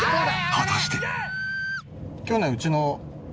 果たして？